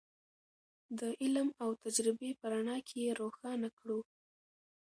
د علم او تجربې په رڼا کې یې روښانه کړو.